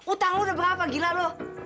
utang lu udah berapa gila lu